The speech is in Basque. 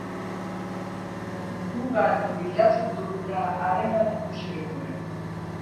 Gugan bilatzen duguna harengan ikusi genuen.